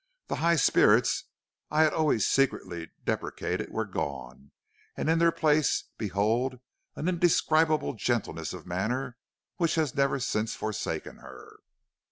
The high spirits I had always secretly deprecated were gone, and in their place behold an indescribable gentleness of manner which has never since forsaken her.